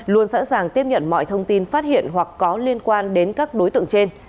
luôn sẵn sàng tiếp nhận mọi thông tin phát hiện hoặc có liên quan đến các đối tượng trên